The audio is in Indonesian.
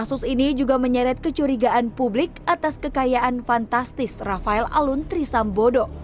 kasus ini juga menyeret kecurigaan publik atas kekayaan fantastis rafael alun trisambodo